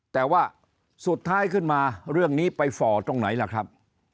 แต่ว่าสุดท้ายขึ้นมาเรื่องนี้ไปฝ่อตรงไหนล่ะครับ